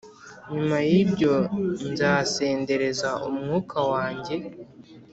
Nyuma y’ibyo nzasendereza Umwuka wanjye